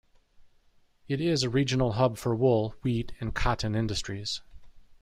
It is a regional hub for wool, wheat and cotton industries.